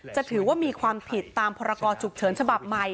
จะถือว่ามีความผิดตามพรกรฉุกเฉินฉบับใหม่